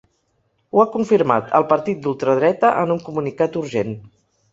Ho ha confirmat el partit d’ultradreta en un comunicat urgent.